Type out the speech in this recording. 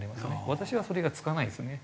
私はそれがつかないんですよね。